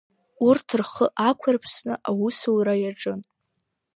Урҭ рхы ақәырԥсны аусура иаҿын.